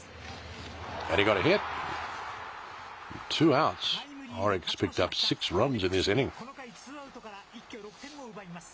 オリックス、この回ツーアウトから一挙６点を奪います。